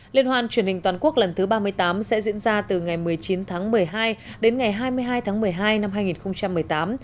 liên hoan truyền hình toàn quốc lần thứ ba mươi tám sẽ diễn ra từ ngày một mươi chín tháng một mươi hai đến ngày hai mươi hai tháng một mươi hai năm hai nghìn một mươi tám